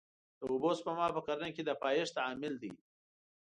د اوبو سپما په کرنه کې د پایښت عامل دی.